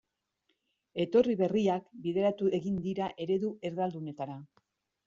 Etorri berriak bideratu egin dira eredu erdaldunetara.